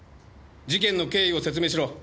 事件の経緯を説明しろ。